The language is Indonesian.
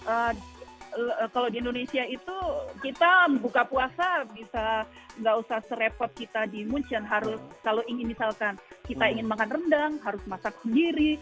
yang membuat kami rindu itu dari indonesia pertama kalau di indonesia itu kita buka puasa bisa nggak usah serepot kita di munsyan harus kalau ingin misalkan kita ingin makan rendang harus masak sendiri